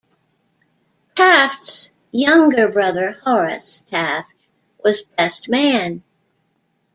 Taft's younger brother Horace Taft was best man.